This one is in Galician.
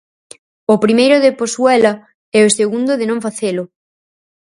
O primeiro de posuela e o segundo de non facelo.